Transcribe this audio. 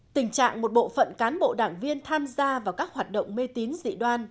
tình trạng một bộ phận cán bộ đảng viên tham gia vào các hoạt động mê tín dị đoan